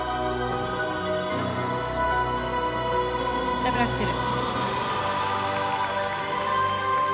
ダブルアクセル。